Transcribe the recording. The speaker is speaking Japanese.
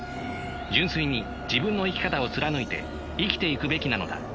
純粋に自分の生き方を貫いて生きていくべきなのだ。